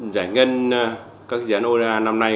giải ngân các dự án oda năm nay